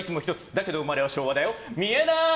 だけど生まれは昭和だよ！見えなーい！